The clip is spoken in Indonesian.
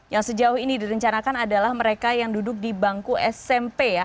yang sejauh ini direncanakan adalah mereka yang duduk di bangku smp ya